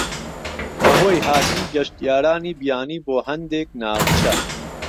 بەهۆی هاتنی گەشتیارانی بیانی بۆ هەندێک ناوچە